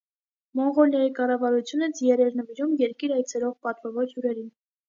Մոնղոլիայի կառավարությունը ձիեր էր նվիրում երկիր այցելող պատվավոր հյուրերին։